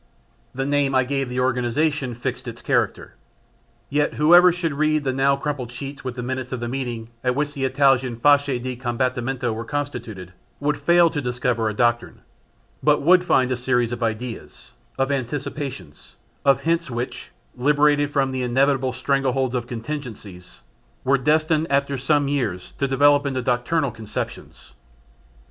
The name I gave the organisation fixed its character. Yet whoever should read the now crumpled sheets with the minutes of the meeting at which the Italian "Fasci di Combattimento" were constituted, would fail to discover a doctrine, but would find a series of ideas, of anticipations, of hints which, liberated from the inevitable strangleholds of contingencies, were destined after some years to develop into doctrinal conceptions.